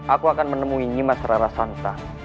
aku akan menemui nyi mas rara santa